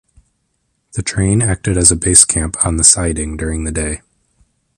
The train acted as a base camp on the siding during the day.